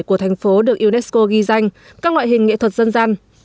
của thành phố được unesco ghi danh các loại hình nghệ thuật dân gian